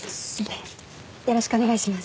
よろしくお願いします。